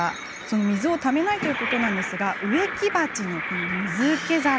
水をためないということなんですが植木鉢の水受け皿